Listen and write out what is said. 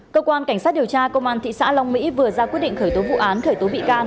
cơ quan cảnh sát điều tra công an thị xã long mỹ vừa ra quyết định khởi tố vụ án khởi tố bị can